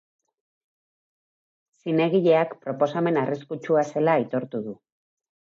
Zinegileak proposamen arriskutsua zela aitortu du.